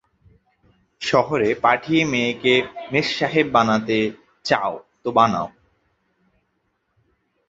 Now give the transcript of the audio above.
শহরে পাঠিয়ে মেয়েকে মেমসাহেব বানাতে চাও তো বানাও।